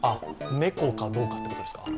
猫かどうかってことですか？